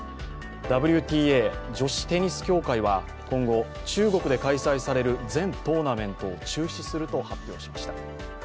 ＷＴＡ＝女子テニス協会は今後、中国で開催される全トーナメントを中止すると発表しました。